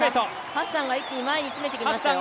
ハッサンが一気に前につめていきましたよ。